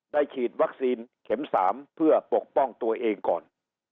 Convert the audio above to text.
ฉีดวัคซีนเข็ม๓เพื่อปกป้องตัวเองก่อน